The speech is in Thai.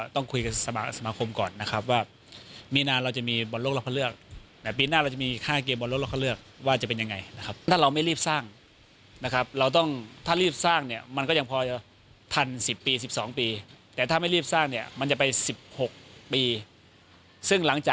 ที่จะล้มเรานิชุดใหญ่วันนี้ชุดใหญ่รักษา